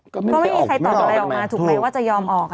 ก็ไม่มีใครตอบอะไรออกมาถูกไหมว่าจะยอมออก